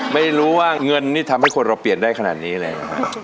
ไม่รู้ว่าเงินนี่ทำให้คนเราเปลี่ยนได้ขนาดนี้เลย